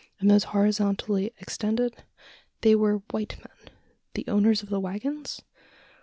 And those horizontally extended? They were white men the owners of the waggons?